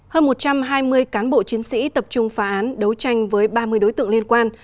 hơn một trăm hai mươi cán bộ chiến sĩ tập trung phá án đấu tranh với ba mươi đối tượng liên quan